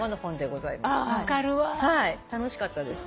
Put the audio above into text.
楽しかったです。